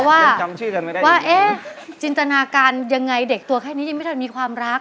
ว่ายังจินตนาการยังไงเด็กตัวแค่นี้ยังไม่ได้มีความรัก